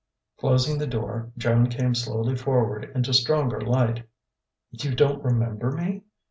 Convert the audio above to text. Closing the door, Joan came slowly forward into stronger light. "You don't remember me?"